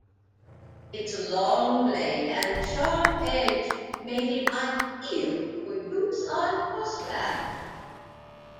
Its long blade and sharp edge made it ideal for use on horseback.